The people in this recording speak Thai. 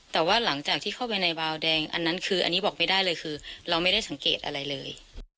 แต่ว่าหลังจากที่เข้าไปในบาวแดงอันนั้นคืออันนี้บอกไม่ได้เลยคือเราไม่ได้สังเกตอะไรเลย